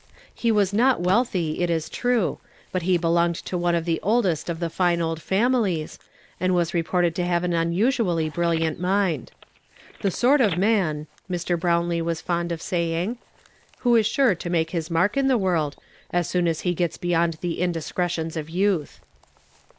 lie a\us not wealthy, it is true ; but he belonged to one of the oldest of the line old families, and was re ported to have an unusually brilliant mind. '' The sort of man," ]\Ir. Brownlee was fond of saying, " who is sure to make his mark in the Avorld, as soon as he gets beyond the indiscretions of youth."